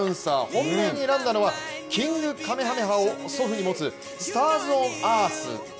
本命に選んだのはキングカメハメハを祖父に持つスターズオンアース。